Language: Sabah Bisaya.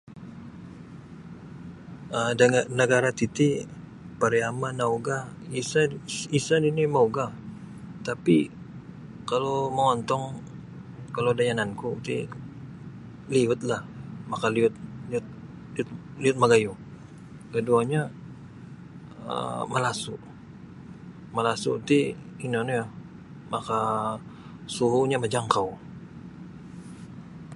um Da nagara titi pariama nauga isa-isa nini mauga tapi kalau mongontong kalau da yananku ti liud lah maka liud-liud-liud magayu keduonyo um malasu malasu ti ino nio maka suhunyo majangkau.